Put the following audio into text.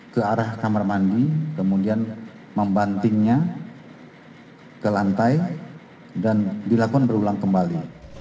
ke arah kamar mandi kemudian membantingnya ke lantai dan dilakukan berulang kembali